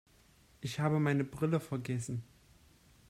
Ich habe meine Brille vergessen.